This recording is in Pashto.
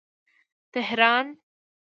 تهران